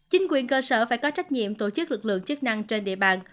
chính quyền cơ sở phải có trách nhiệm tổ chức lực lượng chức năng trên địa bàn